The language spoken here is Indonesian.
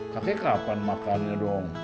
kake kapan makannya dong